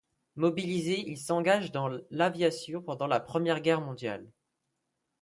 Mobilisé il s'engage dans l'aviation pendant la Première Guerre mondiale.